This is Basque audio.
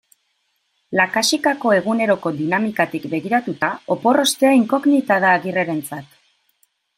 Lakaxitako eguneroko dinamikatik begiratuta, opor ostea inkognita da Agirrerentzat.